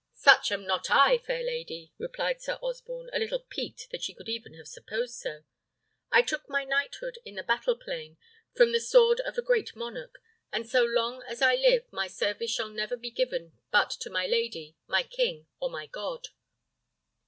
"Such am not I, fair lady," replied Sir Osborne, a little piqued that she could even have supposed so. "I took my knighthood in the battle plain, from the sword of a great monarch; and so long as I live my service shall never be given but to my lady, my king, or my God!"